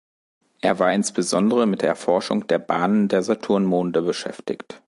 Er war insbesondere mit der Erforschung der Bahnen der Saturnmonde beschäftigt.